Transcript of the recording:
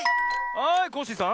はいコッシーさん。